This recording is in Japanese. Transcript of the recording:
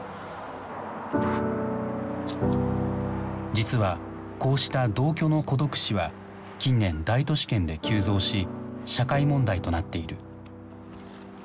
実はこうした同居の孤独死は近年大都市圏で急増し社会問題となっている。